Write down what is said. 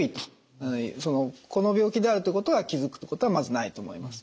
この病気であるということは気付くことはまずないと思います。